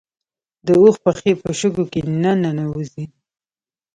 د اوښ پښې په شګو کې نه ننوځي